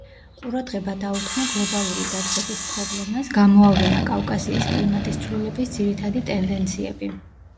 ყურადღება დაუთმო გლობალური დათბობის პრობლემას, გამოავლინა კავკასიის კლიმატის ცვლილების ძირითადი ტენდენციები.